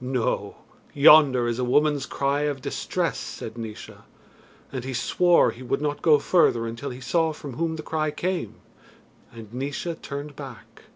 "No! yonder is a woman's cry of distress," said Naois, and he swore he would not go further until he saw from whom the cry came, and Naois turned back.